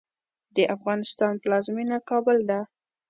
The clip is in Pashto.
د افغانستان پلازمېنه کابل ده.